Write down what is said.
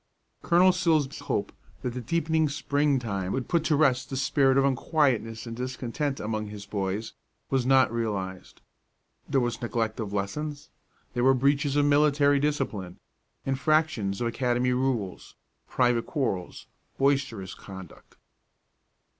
Colonel Silsbee's hope that the deepening spring time would put to rest the spirit of unquietness and discontent among his boys was not realized. There was neglect of lessons; there were breaches of military discipline, infractions of academy rules, private quarrels, boisterous conduct.